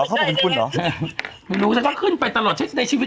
เป็นบันทันปีแล้วด้วยอ่าจะฝากค้างคุณหนุ่มดีกว่า